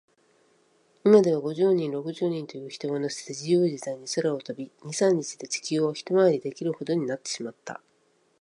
いまでは、五十人、六十人という人をのせて、じゆうじざいに空を飛び、二、三日で地球をひとまわりできるほどになってしまった。